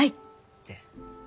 って。